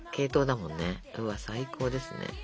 うわっ最高ですね。